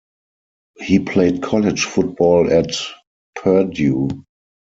He played college football at Purdue.